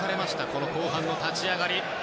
この後半の立ち上がり。